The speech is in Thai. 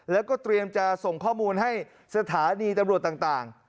แล้วก็เตรียมจะส่งข้อมูลให้สถานีตำรวจต่าง